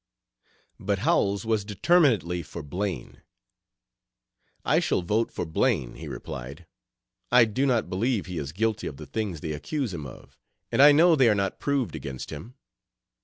But Howells was determinedly for Blaine. "I shall vote for Blaine," he replied. "I do not believe he is guilty of the things they accuse him of, and I know they are not proved against him.